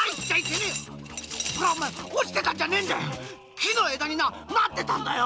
木の枝に生ってたんだよ！